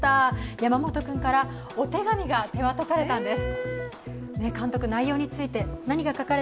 山本君からお手紙が手渡されたんです。